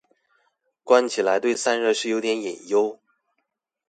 關起來對散熱是有點隱憂